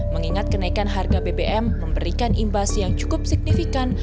mengingat kenaikan harga bbm memberikan imbas yang cukup signifikan